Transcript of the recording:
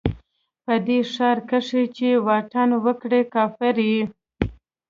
په دې ښار کښې چې اتڼ وکړې، کافر يې